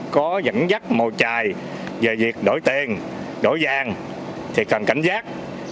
có dẫn dắt màu trài về việc đổi tiền đổi vàng thì cần cảnh giác